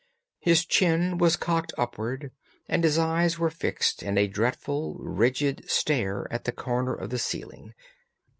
His chin was cocked upward and his eyes were fixed in a dreadful, rigid stare at the corner of the ceiling.